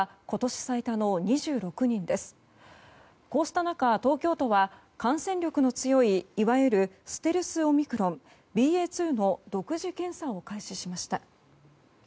こうした中、東京都は感染力の強いいわゆるステルスオミクロンＢＡ．２の独自検査を開始しました。